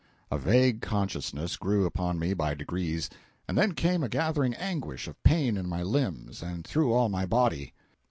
A vague consciousness grew upon me by degrees, and then came a gathering anguish of pain in my limbs and through all my body.